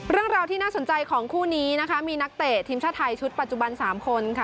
เรื่องราวที่น่าสนใจของคู่นี้นะคะมีนักเตะทีมชาติไทยชุดปัจจุบัน๓คนค่ะ